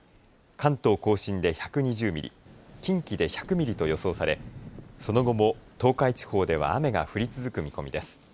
関東甲信で１２０ミリ近畿で１００ミリと予想されその後も東海地方では雨が降り続く見込みです。